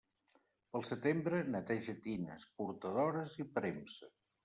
Pel setembre, neteja tines, portadores i premsa.